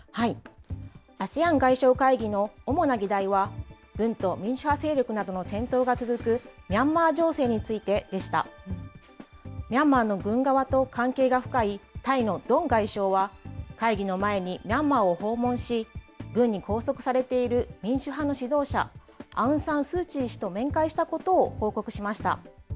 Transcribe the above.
ＡＳＥＡＮ外相会議の主な議題は、軍と民主派勢力などとの戦闘が続くミャンマー情勢についてでした。ミャンマーの軍側と関係が深いタイのドン外相は、会議の前にミャンマーを訪問し、軍に拘束されている民主派の指導者、アウン・サン・スー・チー氏と面会したことを報告しました。